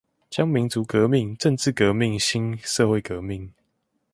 將民族革命、政冶革命興社會革命